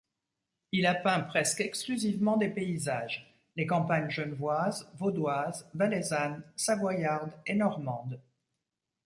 Il a peint presqu'exclusivement des paysages: les campagnes genevoise, vaudoise, valaisanne, savoyarde et normande.